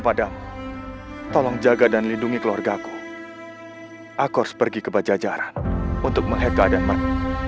mudah mudahan benda ini bermanfaat dan berguna untuk nimas